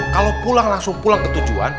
kalau pulang langsung pulang ke tujuan